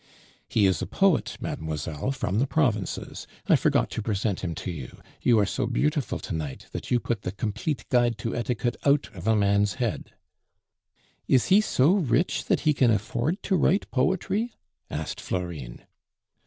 "He is a poet, mademoiselle, from the provinces. I forgot to present him to you; you are so beautiful to night that you put the Complete Guide to Etiquette out of a man's head " "Is he so rich that he can afford to write poetry?" asked Florine.